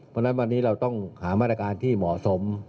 เพราะฉะนั้นวันนี้เราต้องหามาตรการที่เหมาะสม